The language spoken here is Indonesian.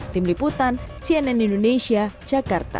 tim liputan cnn indonesia jakarta